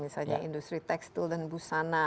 misalnya industri tekstil dan busana